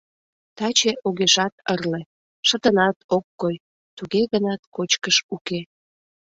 Таче огешат ырле, шыдынат ок кой, туге гынат кочкыш уке.